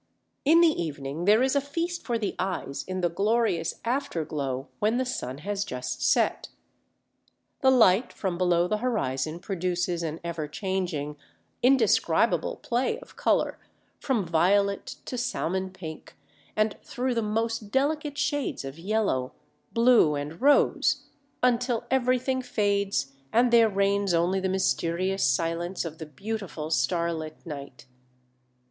In the evening there is a feast for the eyes in the glorious afterglow when the sun has just set. The light from below the horizon produces an ever changing, indescribable play of colour from violet to salmon pink and through the most delicate shades of yellow, blue, and rose, until everything fades and there reigns only the mysterious silence of the beautiful starlit night.